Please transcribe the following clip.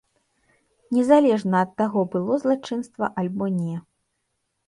Незалежна ад таго, было злачынства альбо не.